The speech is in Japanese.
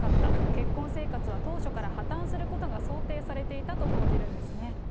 結婚生活は当初から破綻することが想定されていたと報じるんですね。